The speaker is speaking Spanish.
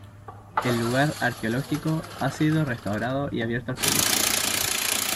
El lugar arqueológico ha sido restaurado y abierto al público.